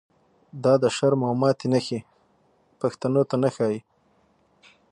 دا د شرم او ماتی نښی، پښتنو ته نه ښا ييږی